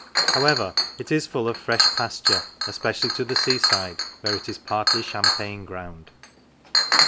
However, it is full of fresh pasture, especially to the sea side, where it is partly champain ground."